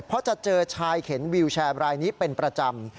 เพราะจะเจอชายเข็นวิวแชร์รายนี้เป็นประจำ